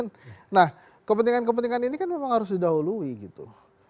nah kepentingan kepentingan ini kan memang harus didahului gitu